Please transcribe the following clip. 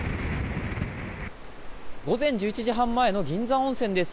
午前１１時半前の銀山温泉です。